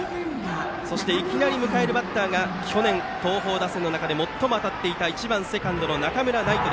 いきなり迎えるバッターが去年、東邦打線の中で最も当たっていた最も当たっていた１番セカンドの中村騎士。